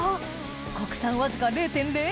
国産わずか０．０１％